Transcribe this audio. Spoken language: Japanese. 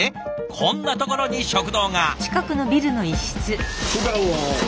こんなところに食堂が。